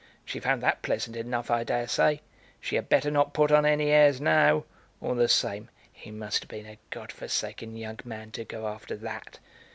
She found that pleasant enough, I dare say! She had better not put on any airs now. All the same, he must have been a god forsaken young man to go after that.